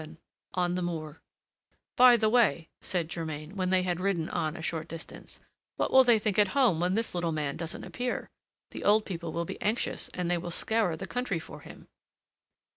VII ON THE MOOR "By the way," said Germain, when they had ridden on a short distance, "what will they think at home when this little man doesn't appear? The old people will be anxious, and they will scour the country for him."